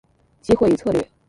机会与策略